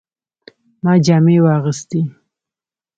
ما جامې واغستې